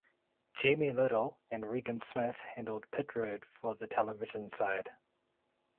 Jamie Little and Regan Smith handled pit road for the television side.